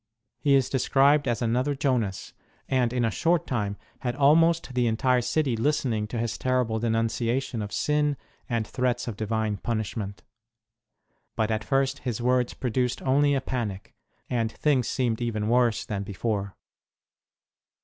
He is described as another Jonas, and in a short time had almost the entire city listening to his terrible denunciation of sin and threats of Divine punishment. But at first his words produced only a panic, and things seemed even worse than before.